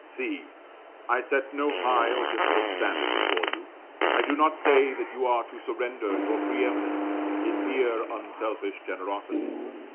See I set no high or difficult standard before you. I do not say that you are to surrender your pre eminence in mere unselfish generosity.